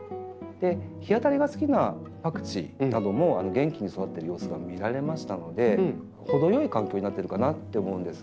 日当たりが好きなパクチーなども元気に育ってる様子が見られましたので程よい環境になってるかなって思うんです。